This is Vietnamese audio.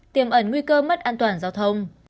tiềm ẩn nguy cơ mất an toàn giao thông